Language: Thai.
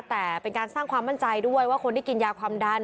แต่เป็นการสร้างความมั่นใจด้วยว่าคนที่กินยาความดัน